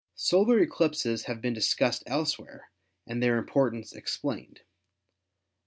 Solar eclipses have been discussed elsewhere and their im portance explained.